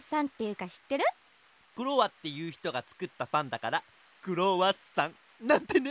クロワっていう人が作ったパンだからクロワッサン。なんてね。